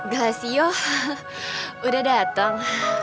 gelasio udah dateng